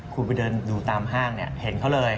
คุณไปเดินดูตามห้างเนี่ยเห็นเขาเลย